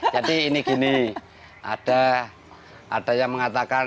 jadi ini gini ada yang mengatakan